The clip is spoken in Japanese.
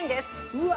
うわ！